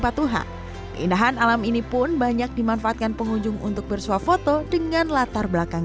patuhan keindahan alam ini pun banyak dimanfaatkan pengunjung untuk bersuah foto dengan latar belakang